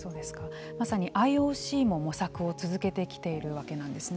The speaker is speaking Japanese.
まさにＩＯＣも模索を続けてきているわけなんですね。